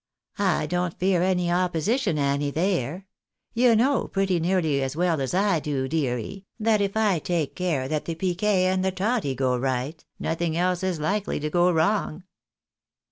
I don't fear any opposition, Annie, there. You know, pretty well as I do, deary, that if I take care that the piquet and the toddy go right, nothing else is likely to go wrong."